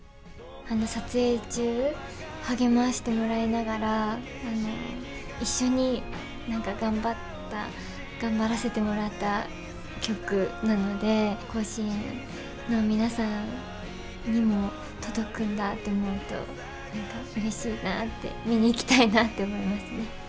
撮影中、励ましてもらいながら一緒に頑張らせてもらった曲なので甲子園の皆さんにも届くんだって思うとうれしいなって見に行きたいなって思いますね。